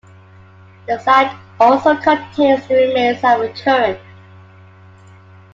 The site also contains the remains of a turret.